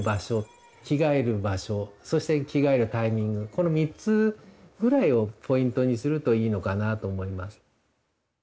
この３つぐらいをポイントにするといいのかなと思います。